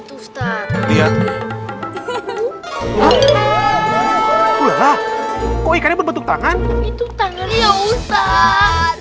udah liat dulu dong itu ustaz